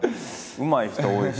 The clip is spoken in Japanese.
うまい人多いし。